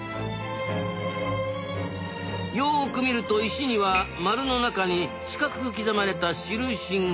よく見ると石には丸の中に四角く刻まれた印が。